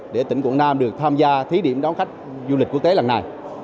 để tỉnh quảng nam được tham gia thí điểm đón khách du lịch quốc tế lần này